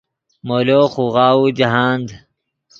مولو خوغاؤو جاہند